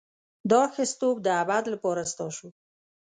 دا ښځتوب د ابد لپاره ستا شو.